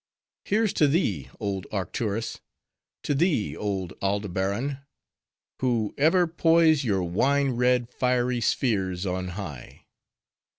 "Here's to thee, old Arcturus! To thee, old Aldebaran! who ever poise your wine red, fiery spheres on high.